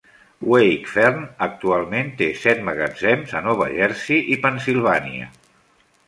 Wakefern actualment té set magatzems a Nova Jersey i Pennsilvània.